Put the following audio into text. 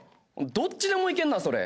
どっちでもいけるなそれ。